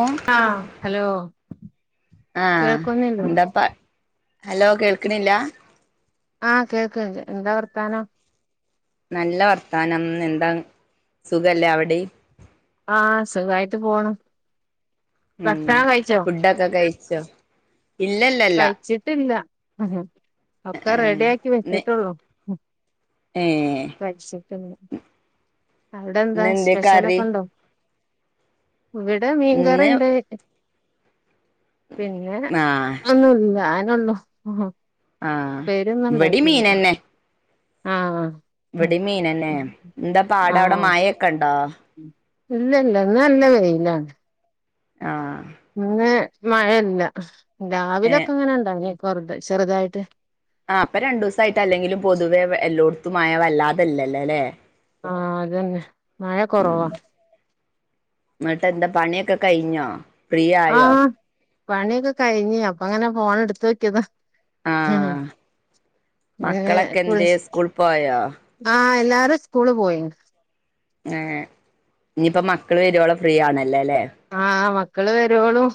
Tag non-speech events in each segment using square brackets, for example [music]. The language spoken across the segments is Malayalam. ഏ ആ ഹലോ ആഹ കേൾക്കുന്നില്ലേ എന്താപ്പ ഹലോ കേൾക്കണില്ല? ആഹ് കേൾക്ക്ണ്ട് എന്താ വർത്താനം? നല്ല വർത്താനം എന്താ സുഖല്ലേ അവിടി? ആഹ സുഖയിട്ട് പോണു ഉം ഭക്ഷണം കഴിച്ചോ ഫുഡൊക്കെ കഴിച്ചോ ഇല്ലല്ല കഴിച്ചിട്ടില്ല മ്.. ഒക്കെ റെഡി ആാക്കി ഇന്ന് വെച്ചിട്ടുള്ളൂ ഏഹ് കഴച്ചിട്ട അവിടെ എന്താ ഇന്നെന്തേ സ്പെഷ്യല കറി ഒക്കെ ഉണ്ടോ? ഇവിടെ മീൻ കറി ഇന്ന് ണ്ട് പിന്നെ ആഹ് ഒന്നുല്ല അനള്ളു ആഹ് പേരിന്നും ഇവിടേം ഉണ്ടാക്കില്ല ആഹ ഇവിടിമീൻന്നെ എന്താ പാട അവിടെ മായൊക്കെ ഉണ്ടോ? ഇല്ലല്ല ഇന്ന് നല്ല വെയിലാണ് ആഹ ഇന്ന് മഴയല്ല ഏഹ് രാവിലൊക്കെ അങ്ങനെ ഉണ്ടാവ കൊറു ചെറുതായിട്ട് ആഹ് ഇപ്പൊ രണ്ടു ദിവസമായിട്ട് അല്ലെങ്കിലും പൊതുവെ എല്ലോടത്തുംമയ വല്ലാതെ ഇല്ലല്ലേ അല്ലെ ആഹ് അതന്നെ മയ കൊറവാ എന്നിട്ട് എന്താ പണിയൊക്കെ കഴിഞ്ഞോ ഫ്രീ ആയോ ആഹ് പണിയൊക്കെ കഴിഞ്ഞു അപ്പൊ അങ്ങനെ ഫോണ് എട്ത്തു നോക്കിയതാ ആഹ് മക്കളൊക്കെ എന്ത്യേ [unintelligible] ആഹ് സ്കൂൾ പോയോ എല്ലാരും സ്കൂള് പോയിന് ഏഹ് ഇനിയിപ്പൊ മക്കള് വരുവോളം ഫ്രീ ആണല്ലെ ല്ലേ ആഹ് മക്കള് വരുവോളും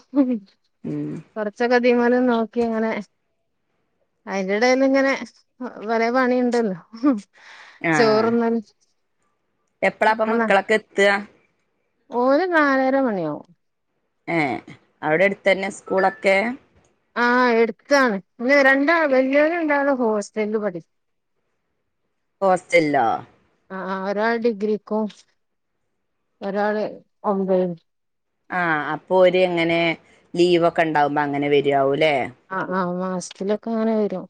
ഉം കൊർച്ചൊക്കെ ഇതിമെലും നോക്കി ഇങ്ങനെ അയ്ന്റെ എടേൽ ഇങ്ങനെ കൊറേ പണിണ്ടല്ലോ ആഹ് ചോറുന്ന എപ്പളാപ്പ [unintelligible] മക്കളൊക്കെ എത്തുക ഓല് നാലര മണിയാവും ഏഹ് അവിടെ അടുത്ത് തന്നെ സ്കൂളൊക്കെ ആഹ് എട്ത്താണ് രണ്ടാ വലിയോല് രാണ്ടാളും ഹോസ്റ്റലിൽ പടി [inaudible] ഹോസ്റ്റൽലോ ആഹ് ഒരാള് ഡിഗ്രിക്കും ഒരാള് ഒമ്പേലും ആഹ് അപ്പൊ ഓര് അങ്ങനെ ലീവൊക്കെ ഇണ്ടാവുമ്പോ അങ്ങനെ വരാവൂല്ലേ ആഹ് ആഹ് മാസത്തിലൊക്കെ അങ്ങനെ വരും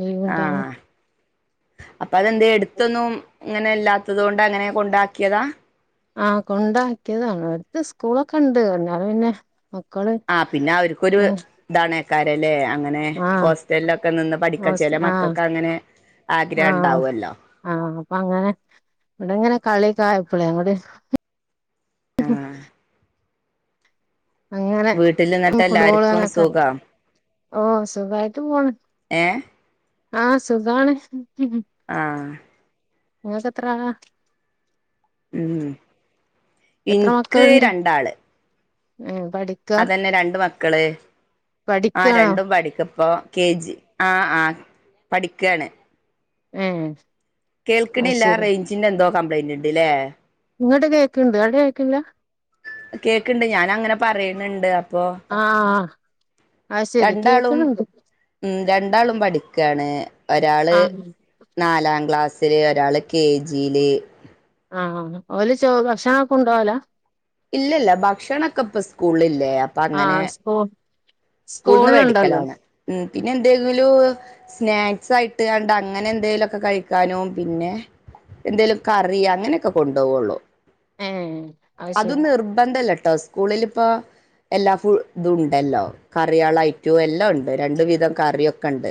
ലീവ് ഇണ്ടാവു ആഹ് അപ്പൊ അതെന്തെ എട്ത്ത് ഒന്നും ഇങ്ങനെ ഇല്ലാത്തത് കൊണ്ട് അങ്ങനെ കൊണ്ടാക്കിയതാ ആഹ് കൊണ്ടാക്കിയതാണ് അട്ത്ത് സ്കൂളൊക്കെ ഇണ്ട് എന്നാലും പിന്നെ മക്കള് ഉം താണയ്ക്കാരല്ലേ അങ്ങനെ ഹോസ്റ്റൽലൊക്കെ നിന്ന് പഠിക്കാ ഹോസ് ചെല ആഹ് മക്കൾക്ക് അങ്ങനെ ആഗ്രഹം ആഹ് ഇണ്ടാവുല്ലോ ആഹ് അപ്പൊ അങ്ങനെ ഇവിടെങ്ങനെ കളി ഒക്കായപ്പളെ ആഹ് [unintelligible] [unintelligible] അങ്ങനെ വീട്ടില് ഇന്നട്ട് ഫുട്ബോള് എല്ലാർക്കും അങ്ങനൊക്കെ സുഖം ഓഹ് സുഖായിട്ട് പോണ് ഏ ആഹ് സുഖാണ് ആഹ് ഇങ്ങക്ക് എത്ര ആളാ ഉം എത്ര ഇൻക്ക് മക്കളുണ്ട് രണ്ടാള് ഏഹ് പഠി അതന്നെ രണ്ട് മക്കള് ആഹ് പഠിക്കാണോ രണ്ടും പഠിക്ക ഇപ്പോ കെ ജി ആഹ് ആഹ് പഠിക്കാണ് ഏഹ് അത് കേൾക്ക്ണ്ല്ല ശരി റേഞ്ചിൻ്റെ എന്തോ കംപ്ലയിന്റ് ഇണ്ട്ല്ലേ ഇങ്ങട്ട് കേക്ക്ണ്ട് അങ്ട്ട് കേക്ക്ല്ല കേക്ക്ണ്ട് ഞാൻ അങ്ങനെ പറയ് ണ് ണ്ട് അ ആഹ് അത് ശരി രണ്ടാളും കേക്ക്ണ് ണ്ട് ഉം രണ്ടാളും പഠിക്കാണ് ഒരാള് ആഹ് നാലാം ക്ലാസ്സില് ഒരാള് കെ ജിയില് ആഹ് ഓല് ചോ ഭക്ഷണൊക്കെ കൊണ്ടോവലാ ഇല്ലല്ല ഭക്ഷണക്കപ്പ സ്കൂൾള് ഇല്ലേ ആഹ് സ്കൂ സ്കൂൾല് ഇണ്ടല്ലോ മേടിക്കലാണ് ഉം പിന്നെ എന്തെങ്കിലും സ്നാക്സ് ആയിട്ട് കാണ്ട് അങ്ങനെ എന്തേലും ഒക്കെ കഴിക്കാനും പിന്നെ എന്തേലും കറി അങ്ങനെയൊക്കെ കൊണ്ടുപോവുള്ളൂ ഏ അത് നിർ നിർബന്ധല്ലോട്ടോ സ്കൂളിൽ ഇപ്പോ എല്ലാ ഫുഡ് ഇതും ഉണ്ടല്ലോ കറികള് ആതയിറ്റും എല്ലാം ഉണ്ട് രണ്ട് വിധം കറിയൊക്കെ ഉണ്ട്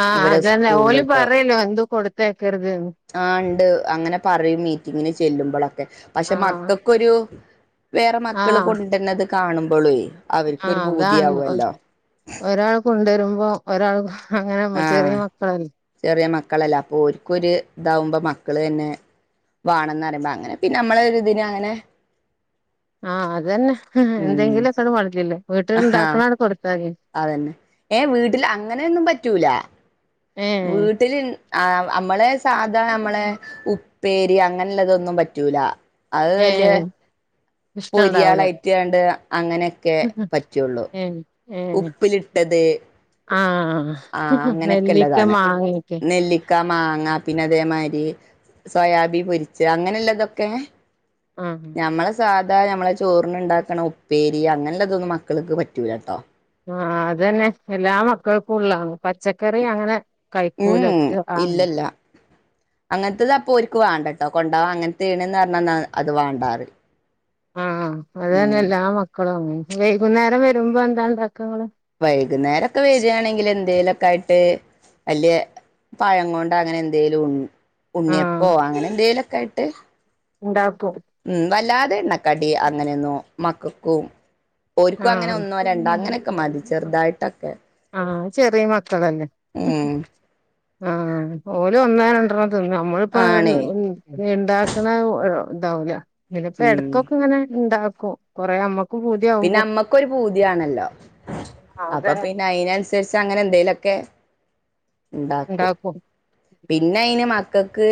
ആഹ് ഇവരെ അതന്നെ ഓല് സ്കൂളിലിട്ടോ പറയല്ലോ ഒന്നും കൊടുത്തയക്കരുതെന്ന് ആ ഉണ്ട് അങ്ങനെ പറയും മീറ്റിങ്ങിന് ചെല്ലുമ്പോഴൊക്കെ ആഹ് മക്കൾക്കൊരു വേറെ മക്കള് ആഹ് കൊണ്ടു വരുന്നത് കാണുമ്പോള് ആഹ് അവർക്കൊരു അതാണ് ഒ- പൂതിയാവുല്ലോ ഒരാൾ കൊണ്ടുവരുമ്പോ ഒരാൾ അങ്ങനെ ചെറിയ ആഹ് മക്കളല്ലേ ചെറിയ മക്കളല്ല അപ്പൊ ഓൽക്ക് ഒരു ഇതാവുമ്പോ മക്കള് തന്നെ വേണംന്ന് പറയുമ്പോ അങ്ങനെ പിന്നെ നമ്മളെ ഒരു ഇതിന് അങ്ങനെ ആഹ് അതന്നെ ഉം എന്തെങ്കിലും ഒക്കെ മതിയല്ലോ വീട്ടില് ആഹാ ഇണ്ടാക്കണട് കൊടുത്താല് അതന്നെ ഏ വീട്ടിൽ അങ്ങനെയൊന്നും പറ്റൂല ഏഹ് വീട്ടിൽ ആ നമ്മളെ സാധാരണ നമ്മളെ ഉ ഉപ്പേരി അങ്ങനെ ഉള്ളതൊന്നും പറ്റൂല അത് വലിയ ഏഹ് ഇഷ്ടണ്ടാവൂല പൊരിയാളായിറ്റാണ്ട് അങ്ങനെയൊക്കെ പറ്റുള്ളൂ ഏഹ് ഏഹ് ഉപ്പിലിട്ടത് ആ ആഹ് നെല്ലിക്ക, മാങ്ങ ഒക്കെ ക്ക മാങ്ങ പിന്നെ അതേമാതിരി സോയാബീൻ പൊരിച്ച് അങ്ങനെ ഉള്ളതൊക്കെ ആഹ് നമ്മളെ സാധാ നമ്മളെ ചോറിന് ഉണ്ടാക്കണ ഉപ്പേരി അങ്ങനള്ളതൊന്നും മക്കൾക്ക് പറ്റൂല കേട്ടോ ആഹ് അതന്നെ എല്ലാ മക്കൾക്കും ഉള്ളതാണ് പച്ചക്കറി അങ്ങനെ ഉം കഴിക്കൂല ഉം ഒറ്റ ആഹ് ഇല്ലല്ല അങ്ങൻത്തത് അപ്പോ ഒരിക്ക് വേണ്ട കേട്ടോ കൊണ്ടാവാ അങ്ങനത്തെയാണന്ന് പറഞ്ഞാ അത് വേണ്ടാന്ന് പറയും ആഹ് അത് തന്നെ എല്ലാ മക്കളും അങ്ങനെ വൈകുന്നേരം വരുമ്പോ എന്താ ഇണ്ടാക്ക നിങ്ങള് വൈകുന്നേരം ഒക്കെ വരുകയാണെങ്കിൽ എന്തെങ്കിലൊക്കെ ആയി വല്യ പഴം കൊണ്ട് അങ്ങനെ എന്തേലും ആഹ് ഉണ്ണിയപ്പോ അങ്ങനെ എന്തേലൊക്കെ ആയിട്ട് ഉണ്ടാക്കും ഉം വല്ലാതെ എണ്ണക്കടി അങ്ങനെ ഒന്നും മക്കൾക്കും ഓര്ക്കും അങ്ങനെ ആഹ് ഒന്നോ രണ്ടോ അങ്ങനെയൊക്കെ മതി ചെറുതായിട്ടൊക്കെ ആഹ് ചെറിയ മക്കളല്ലേ ഉം ആഹ് ഓല് ഒന്നോ രണ്ടെണ്ണം തിന്നും നമ്മളിപ്പോ ആണേ ഇണ്ടാക്കണ ഇതാവൂല്ല പിന്ന ഇപ്പ ഉം എടക്കൊക്കെ ഇങ്ങനെ ഇണ്ടാക്കും കൊറെ അമ്മ ക്കും പൂതിയാവുമ്പോ നമുക്ക് ഒരു പൂതിയാണല്ലോ ആഹ് അപ്പൊ അതന്നെ പിന്നെ അതിനനുസരിച്ച് അങ്ങനെ എന്തേലൊക്കെ ഇണ്ടാക്കും ഉണ്ടാക്കും പിന്നെ അതിന് മകൾക്ക്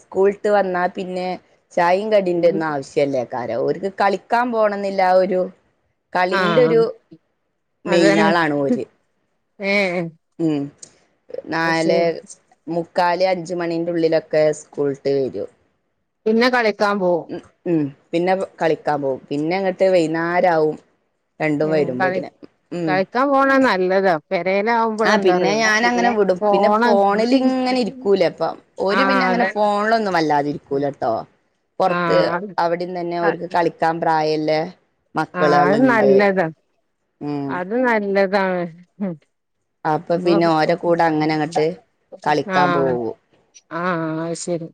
സ്കൂളുവിട്ട് വന്നാ പിന്നെ ചായയും കടി ന്റെ ഒന്നും ആവശ്യല്ലേയ്കാരം അവർക്ക് കളിക്കാൻ പോണ എന്ന് ള്ള ആ ഒരു കളിന്റെ ഒരു ആഹ് അതന്നെ മെയിനാളാണ് ഓര് ഏഹ് ഉം അത് നാലേ ശരി മുക്കാല് അഞ്ച് മണിൻ്റെ ഉള്ളിലൊക്കെ സ്കൂള്ട്ട് വരും പിന്നെ കളിക്കാൻ പോകും ഉം പിന്നെ കളിക്കാൻ പോവും പിന്നെ ഇങ്ങട്ട് വൈകുന്നേരാവും രണ്ടും വരുമ്പോത്തിന് ഉം കളിക്കാൻ പോണാ നല്ലതാ പെരയിലാവുമ്പോൾ ആഹ് എന്താ പിന്നെ ഞാൻ അങ്ങനെ അറിയോ വിടും പിന്നെ ഫോണ് ഫോണിൽ ഇങ്ങനെ ഇരിക്കൂലേ അപ്പം ഓര് പിന്നെ ആഹ് അങ്ങനെ അതെ ഫോൺലൊന്നും വല്ലാതിരിക്കൂലട്ടോ. പ്പട്ത്ത് ആഹ് അവ്ട്ന്നന്നെ ഓര്ക്ക് കളി ക്കാൻ പ്രായല്ലെ ആഹ് മക്കളാള്ണ്ട് ഉം. ത് നല്ലതാണ് ഹും. അപ്പൊ പിന്നെ ഓരെ കൂടെ അങ്ങനെ അങ്ങട്ട് [unintelligible] കളിക്കാൻ ആഹ് പോകും ആഹ് അയ് ശെരി.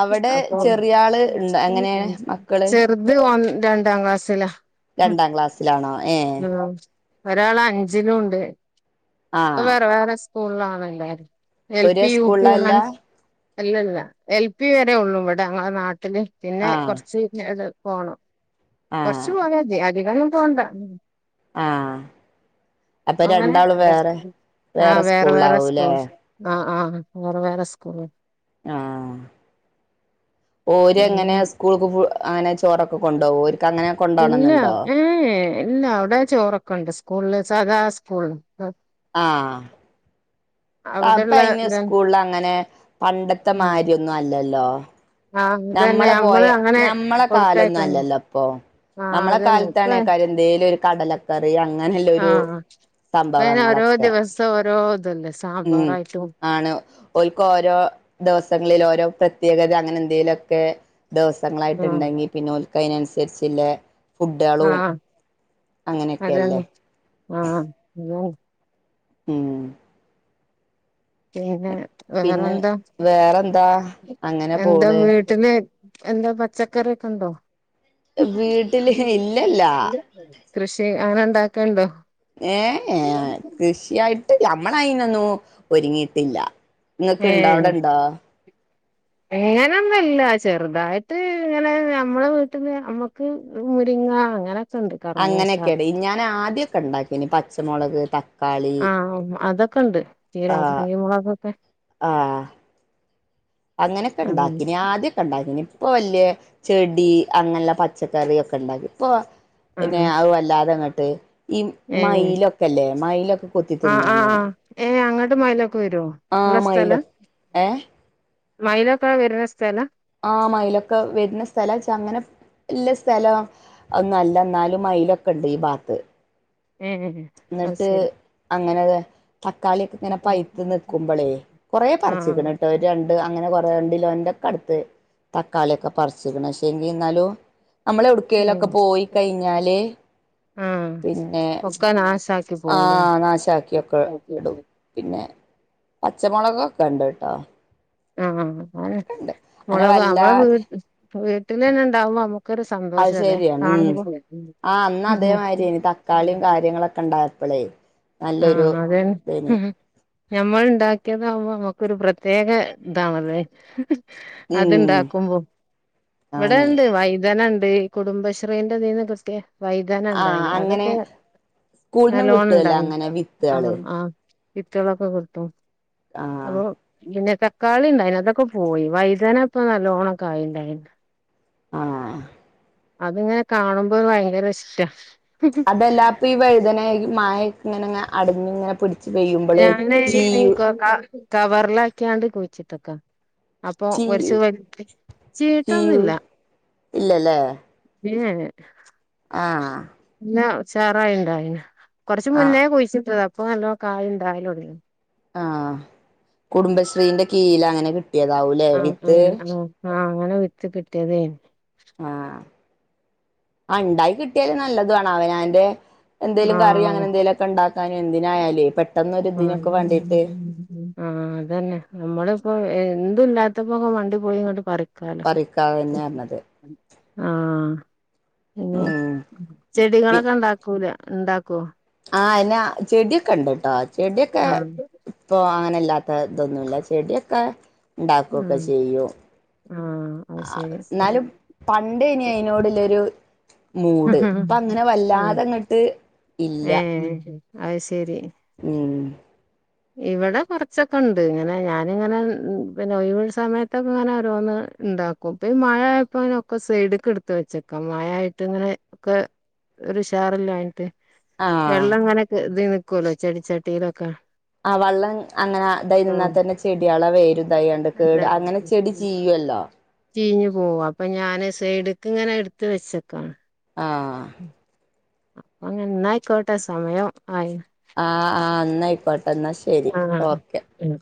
അവിടെ അപ്പൊ ചെറിയ ആള് ഇണ്ട് എങ്ങനെ മക്കള് ചെറ് ത് ഒന്ന് രണ്ടാംക്ലാസ്സിലാ. രണ്ടാം ക്ലാസ്സിലാണോ ഏ ഒരാള അഞ്ചിലുണ്ട്. ആ പ്പ വേറെ വേറെ സ്കൂൾലാണ് എല്ലാരും എൽ. ഒരേ പി യു. പി സ്കൂളിലല്ല അങ്ങനെ അല്ലല്ല എൽ. പി വരെ ഒള്ളൂ ഇവടെ ഞങ്ങളെ നാട്ടില് പിന്നെ ആ കൊർച്ച് [unintelligible] പോണം, ആ കൊർച്ചു പോയാതി അധികന്നും പോണ്ട. ആഹ് അങ്ങനെ അപ്പരണ്ടാളും വേറെ ആഹ് വേറെ വേറെ സ്കൂൾലാവൂലെ. സ്കൂൾ ആഹ് ആഹ് വേറെ വേറെ സ്കൂൾള്. ആഹ്, ഓര് എങ്ങനേയാ പിന്നെ സ്കൂൾക്ക് കു അങ്ങനെ ചോറൊ ക്കൊ കൊണ്ടോവു ഓര്ക്ക് അങ്ങനെ ഇല്ല കൊണ്ടോവണംന്ന്ണ്ടോ? ഏഹ് ഇല്ല അവടെ ചോറൊക്കണ്ട് സ്കൂൾല് സദാസ്കൂൾ ആഹ്. അപ്പ അവിടെള്ള ഇന്ന് ഇത സ്കൂൾല് അങ്ങനെ ഉം പണ്ടത്തമാരി ഒന്നുംഅല്ലല്ലോ. ആഹ് അതന്നെ ഞമ്മള് പോയ നമ്മള് അങ്ങനെ ഞമ്മള കാലഒന്നും കൊടുത്തയക്കാണ് അല്ലല്ലോപ്പൊ. ആഹ് ഞമ്മളെ അതന്നെ ഇപ്പ കാൽത്താണ് എന്തേലോരു കടലക്കറി അങ്ങനെല്ലൊരു പിന്നെ ഓരോ ദിവസം ഓരോത്ണ്ട് ഉം സാമ്പാറായിട്ടും ആണ് ഓൽക്ക് ഓരോ ദിവസങ്ങളില് ഓരോ പ്രത്യേകത അങ്ങനെ എന്തെലോക്കെ ആഹ് ദിവസങ്ങളായിട്ടുണ്ടെങ്കി പിന്നെ ഓൽക്കയ്നൻസര്ച്ച്ള്ളേ ഫുഡ്ളും ആഹ് അതാണ് അങ്ങനെക്കേല്ലേ. ആഹ് [unintelligible] ഉം. പിന്നെ പിന്നെ വേറേന്താ? വേറെന്താ അങ്ങനെ എന്താ പോണ് വീ ട്ടില് എന്താ പച്ചക്കറിയൊക്കണ്ടോ? വീട്ടില് ഹേയ് ഇല്ലല്ലാ. കൃഷി അങ്ങനെണ്ടാക്കല്ണ്ടോ? ഏഹ് ഏയ് കൃഷിയായിട്ട് ഞമ്മളയ്നൊന്നും ഒരുങ്ങീട്ടില്ലാ. നിങ്ങക്ക്ണ്ടോ അവടണ്ടോ? എങ്ങനെന്ന് ഇല്ല ചെറുതായിട്ട് ഇങ്ങനെ ഞമ്മളെ വീട്ട്ന്ന് നമ്മക്ക് മുരിങ്ങാ അങ്ങനെ അങ്ങനെക്കെടി ഞാനആദ്യോക്കണ്ടാക്കിനി പച്ചമൊളക് ത ആഹ് അതൊക്കണ്ട് ആ ചീരാപർങ്കി മുളകൊക്കെ. [inaudible] ആഹ് അങ്ങനെക്കണ്ടാക്ക്നി ഞാആദ്യം ക്കണ്ടാക്കീന്നു ഇപ്പൊ വല്ല്യേ ചെടി അങ്ങനെള്ള പച്ചക്കറി ഒക്കണ്ടാക്കി ഇപ്പൊ പിന്നെ ആഹ് അവുല്ലാതെങ്ങട്ട് ഈ ഏഹ് മയ്ലൊക്കല്ല്യേ മയ്ലൊക്ക ആഹ് ആഹ് ആഹ് ഏഹ് അങ്ങട്ട് മയിലൊക്ക വരുവോ ആ ള്ളസ്ഥലാ? മയിലൊ ഏ മയിലൊക്ക വര്ണ സ്ഥലാ? ആഹ് മയിലൊക്ക വര്ണ സ്ഥലാച്ച അങ്ങനെ ള്ള സ്ഥലാ അതോന്നല്ലാ ന്നാലും മയിലൊക്കണ്ട് ഈ ഭാഗത്ത്. ഏഹ് അത് ന്ന്ട്ട് ശരി അങ്ങനെല്ലേ. തക്കാളിയൊക്കെ ഇങ്ങനെ പഴുത്തു നിക്കുമ്പളേ കൊറെ പറിച്ച്ക്ക്ണ് ആഹ് ട്ടൊ രണ്ട് അങ്ങനെ കുറേ രണ്ട് കിലോയിൻ്റെയൊക്കടുത്ത് തക്കാളിയൊക്കെ പരിച്ക്ക്ണ് പക്ഷെ ഇനി ന്നാലും നമ്മള് എവിടുക്കെലൊക്കെ ഏഹ് പോയി കൈഞ്ഞാല് ആഹ് പിന്നെ ഒക്കെ നാശാക്കി പോവുലേ ആഹ് നാശാക്കിയൊക്കെ ഇടും പിന്നെ പച്ചമൊളകൊക്കെ ഇണ്ട്ട്ടൊ ആഹ് അഹ്അങ്ങനെ അങ്ങനെ മൊളക് നമ്മള വല്ലാതെ വീട്ടിൽ തന്നെ ഇണ്ടാവുമ്പോ നമുക്കൊരു അത് സന്തോഷല്ലേ ശരിയാണ് ഉം കാണുമ്പോ ആഹ് അന്ന് അതേമാതിരിയേനി തക്കാളിയും കാര്യങ്ങളൊക്കെ ണ്ടാ പ്പളേ നല്ലൊരു ആഹ് അതന്നെ ഇതേനി ഞമ്മൾ ണ്ടാക്കിയതാവുമ്പോ നമ്മുക്കൊരു പ്രത്യേക ഇതാണല്ലേ ഉം അത്ണ്ടാക്കുമ്പോ ഇവിടെ ആണ് ണ്ട് വൈതന ണ്ട് കുടുംബശ്രീന്റെ ഇതീന്ന് കിട്ടിയേ വൈതന ആ ണ്ടായിന് അങ്ങനെ അതൊക്കെ സ്കൂളിൽന്നും നല്ലോണം കിട്ടുവല്ലോ ഇണ്ടായി അങ്ങനെ വിത്തുകള് ആഹ് ആഹ് വിത്തോളൊക്കെ കിട്ടും ആ അപ്പോ പിന്നെ ത കളി ണ്ടായിന് അതൊക്കെ പോയി വൈതാന ഇപ്പ നല്ലോണംക്കായി ഇണ്ടായിന് ആഹ് അതിങ്ങനെ കാണുമ്പോ ഭയങ്കര ഇഷ്ട അതെല്ലാപ്പ ഈ വഴുതന ങ്ങനെ മായെ ഇങ്ങനങ്ങെ അടിഞ്ഞിങ്ങെ പി ഞാൻ നീ ക കവറിലാക്കിയാണ്ട് കുഴിച്ചിട്ടക്ക അപ്പൊ ചീയു കുരച്ച് വലതു ചീയു ചീഞ്ഞ്ട്ടൊന്നുല്ല ഇല്ലല്ലേ [unintelligible] ആഹ് ഇല്ല ഉചാറായി ണ്ടായിന് കൊറച് ആ മുന്നേ കുഴിച്ചിട്ടതാ അപ്പൊ നല്ലോ കായ് ഉണ്ടാലൊടങി ആഹ് ആ കുടുംബശ്രീന്റെ കീൽ അങ്ങനെ കി ട്ടിയതാവും ല്ലെ ആഹ് ആഹ് ആഹ് ആഹ് അങ്ങനെ വിത്ത് കിട്ടിയതേനി ആഹ് ണ്ടായി കിട്ടിയ നല്ലതു ആണ് അവനന്റെ എന്തേലും കറി ആഹ് അങ്ങനെ എന്തേങ്കലുംക്കെ ഇണ്ടാക്കാനും എന്തിനായാലേ പെട്ടെന്നൊ ആഹ് ഒരുരിതിനൊക്കെ വണ്ടീട്ട് ആഹ് അതന്നെ നമ്മള ഇപ്പോ എന്തു ല്ലാത്തപ്പോയോക്കെ മണ്ടി പോയി ഇങ്ങോട്ട് പറിക്ക പറിക്കാതെന്നെ പറഞ്ഞത് ആഹ് പിന്നെ ഉം ചെടികളൊക്കെ ഇണ്ടാക്കൂല ഉണ്ടാക്കോ ആഹ് അനാ ചെടിയൊക്കെ ണ്ട് ട്ടോ ചെടിയൊക്കെ ആഹ് ഇപ്പൊ അങ്ങനെല്ലാത്ത തൊന്നുല ചെടിയൊക്കെ ണ്ടക്കൊക്കെ ആഹ് ചെയ്യും ആഹ് അത് ആഹ് ശരി ന്നാലും പണ്ടേനി അതിനതിനോടുള്ളരു മൂട് ആഹ് ഇപ്പ ങ്ങനെ വല്ലാതെങ്ങട്ട് ഇല്ല അഹ് ശരി ഉം ഇവിടെ കുറച്ചൊക്കെ ണ്ട് ഇങ്ങനെ ഞാന് ഇങ്ങനെ പിന്നെ ഒഴിവി സമയത്തൊക്കെ ഇങ്ങനെ ഓരോന്ന് ഇണ്ടാക്കും ഇപ്പ ഈ മഴയപ്പോ അങ്ങനെ ഒക്കെ സൈഡക്കെ എടുത്ത് വെച്ചക്കാ മഴായിട്ട് ഇങ്ങനെ ഒക്കെ ഒരു ഉശറില്ലായിട്ട് ആഹ് വെള്ളം ങ്ങനക്കെ ഇത് നിക്കുവല്ലോ ചെടിച്ചട്ടിയിലൊക്കെ ആഹ് വള്ളം അങ്ങനെ അതയ് ആഹ് നിന്നാൽ തന്നെ ചെടികളെ വേരും ദയാണ്ട് കേട് എന്താ അങ്ങനെ ചെടി ചീയ്യൊല്ലോ ചീഞ്ഞു പോവാ അപ്പൊ ഞാൻ സൈഡ്ക്ക് ഇങ്ങനെ എടുത്ത് വെച്ചക്കാണ് ആഹ് അപ്പങ്ങനെ എന്നായിക്കോട്ടെ സമയം ആയി ആഹ് ആഹ് എന്നായിക്കോട്ടെ എന്നാ ശരി ആഹ് ഓക്കെ ഉം